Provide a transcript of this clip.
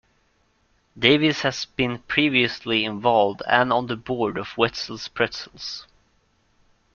Davis has been previously involved and on the board of Wetzel's Pretzels.